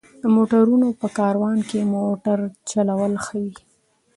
د موټرونو په کاروان کې موټر چلول ښه وي.